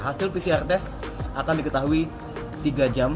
hasil pcr test akan diketahui tiga jam